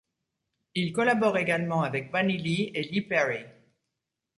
Il collabore également avec Bunny Lee et Lee Perry.